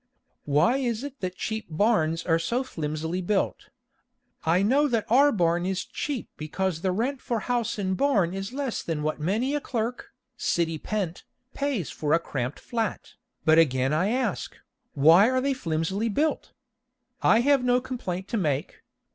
Why is it that cheap barns are so flimsily built? I know that our barn is cheap because the rent for house and barn is less than what many a clerk, city pent, pays for a cramped flat, but again I ask, why are they flimsily built? I have no complaint to make.